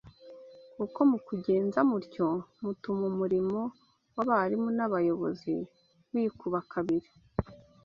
kuko mu kugenza mutyo, mutuma umurimo w’abarimu n’abayobozi wikuba kabiri